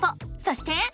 そして。